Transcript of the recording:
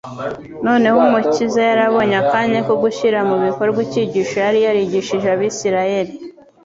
Noneho Umukiza, yari abonye akanya ko gushyira mu bikorwa icyigisho yari yarigishije abisiraeli.